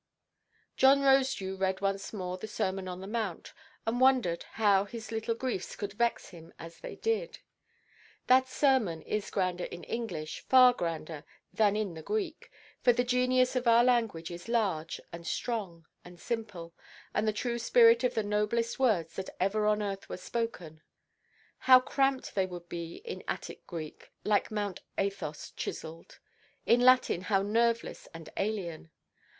John Rosedew read once more the Sermon on the Mount, and wondered how his little griefs could vex him as they did. That sermon is grander in English, far grander, than in the Greek; for the genius of our language is large, and strong, and simple—the true spirit of the noblest words that ever on earth were spoken. How cramped they would be in Attic Greek (like Mount Athos chiselled); in Latin how nerveless and alien!